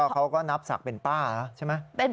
เขาก็นับศักดิ์เป็นป้านะใช่ไหม